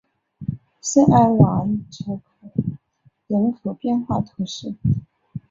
圣埃瓦尔泽克人口变化图示